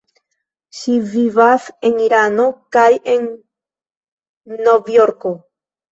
Ŝi vivas en Irano kaj en Novjorko.